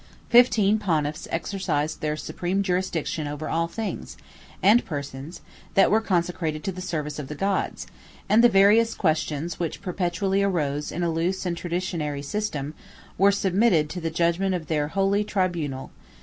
3 Fifteen Pontiffs exercised their supreme jurisdiction over all things, and persons, that were consecrated to the service of the gods; and the various questions which perpetually arose in a loose and traditionary system, were submitted to the judgment of their holy tribunal.